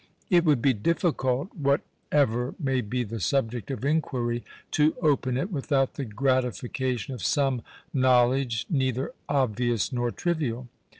It would be difficult, whatever may be the subject of inquiry, to open it, without the gratification of some knowledge neither obvious nor trivial.